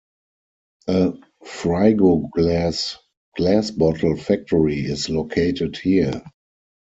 A Frigoglass glass bottle factory is located here.